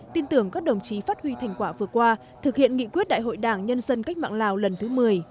tin tưởng các đồng chí phát huy thành quả vừa qua thực hiện nghị quyết đại hội đảng nhân dân cách mạng lào lần thứ một mươi